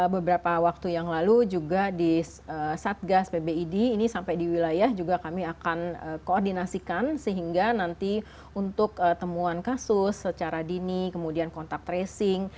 beberapa waktu yang lalu juga di satgas pbid ini sampai di wilayah juga kami akan koordinasikan sehingga nanti untuk temuan kasus secara dini kemudian kontak tracing